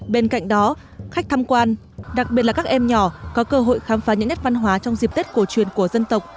bên cạnh đó khách tham quan đặc biệt là các em nhỏ có cơ hội khám phá những nét văn hóa trong dịp tết cổ truyền của dân tộc